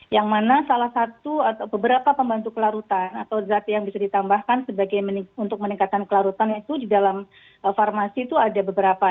yang mana salah satu atau beberapa pembantu kelarutan atau zat yang bisa ditambahkan untuk meningkatkan kelarutan itu di dalam farmasi itu ada beberapa